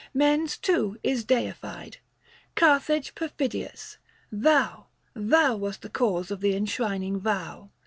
Mens, too, is deified : Carthage perfidious, thou Thou wast the cause of the enshrining vow.